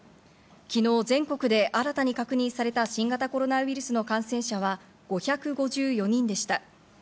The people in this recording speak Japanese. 昨日、全国で新たに確認された新型コロナウイルスへの感染者は５５４人でした。